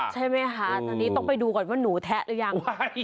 ใช่ไหมคะตอนนี้ต้องไปดูก่อนว่าหนูแทะหรือยัง